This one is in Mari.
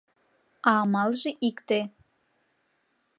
— А амалже икте!